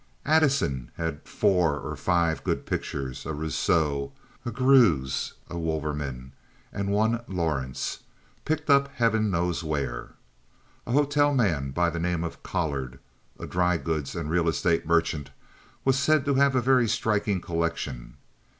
Addison had four or five good pictures—a Rousseau, a Greuze, a Wouverman, and one Lawrence—picked up Heaven knows where. A hotel man by the name of Collard, a dry goods and real estate merchant, was said to have a very striking collection.